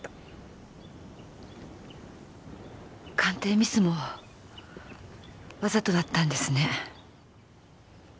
鑑定ミスもわざとだったんですね。